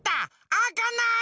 あかない！